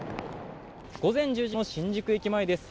午前１０時の新宿駅前です。